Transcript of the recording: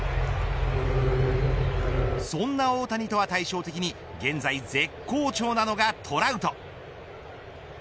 そんな大谷とは対照的に現在絶好調なのがトラウト。